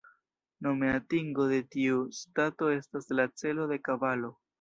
Nome atingo de tiu stato estas la celo de Kabalo.